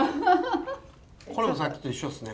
これもさっきと一緒ですね